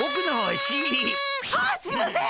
すいません！